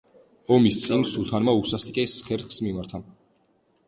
ომის წინ სულთანმა უსასტიკეს ხერხს მიმართა.